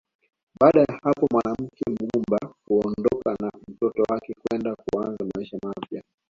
Baada ya hapo mwanamke mgumba huondoka na mtoto wake kwenda kuanza maisha mapya